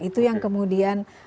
itu yang kemudian